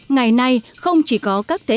ngày nay không chỉ có các thế hệ đi trí